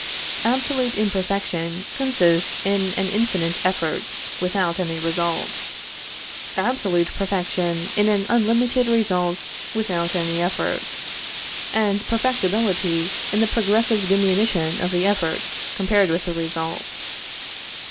Absolute imperfection consists in an infinite effort, without any result; absolute perfection in an unlimited result, without any effort; and perfectibility, in the progressive diminution of the effort, compared with the result.